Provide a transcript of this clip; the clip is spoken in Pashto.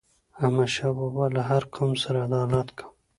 احمد شاه بابا له هر قوم سره عدالت کاوه.